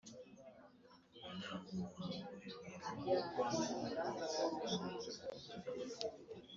We Bakinjira Mu Nzu Ye Hanyuma Abategurira Amafunguro E Abokereza N Imigati Idasembuwe Maze Bararya